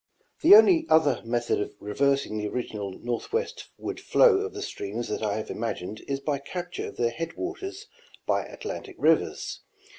The only other method of reversing the original northwest ward flow of the streams that I have imagined is by capture of their headwaters by Atlantic rivers.